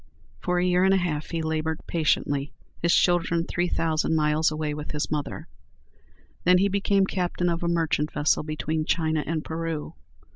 For a year and a half he labored patiently, his children three thousand miles away with his mother. Then he became captain of a merchant vessel between China and Peru.